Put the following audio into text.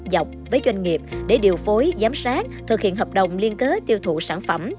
dọc với doanh nghiệp để điều phối giám sát thực hiện hợp đồng liên kết tiêu thụ sản phẩm